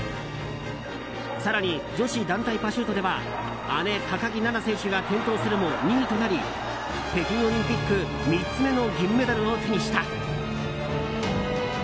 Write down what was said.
更に、女子団体パシュートでは姉・高木菜那選手が転倒するも２位となり北京オリンピック３つ目の銀メダルを手にした。